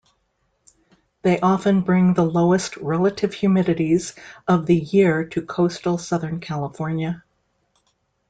They often bring the lowest relative humidities of the year to coastal Southern California.